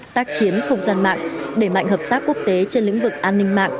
tác chiến không gian mạng đẩy mạnh hợp tác quốc tế trên lĩnh vực an ninh mạng